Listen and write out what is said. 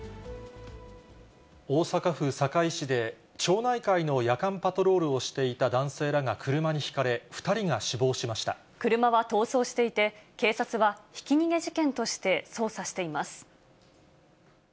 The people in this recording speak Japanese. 大阪府堺市で、町内会の夜間パトロールをしていた男性らが車にひかれ、２人が死車は逃走していて、警察はひき逃げ事件として、捜査しています。